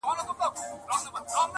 ته ډېوه را واخله ماتې هم راکه.